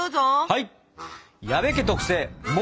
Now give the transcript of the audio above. はい。